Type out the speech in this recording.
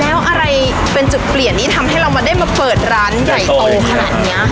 แล้วอะไรเป็นจุดเปลี่ยนที่ทำให้เรามาได้มาเปิดร้านใหญ่โตขนาดนี้ค่ะ